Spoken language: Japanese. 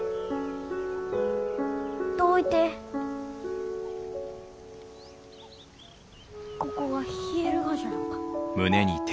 どういてここが冷えるがじゃろうか？